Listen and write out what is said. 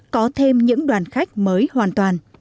có thêm những đoàn khách mới hoàn toàn